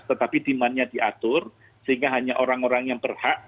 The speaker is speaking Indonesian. tetapi demandnya diatur sehingga hanya orang orang yang berhak